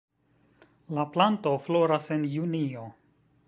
La planto floras en junio.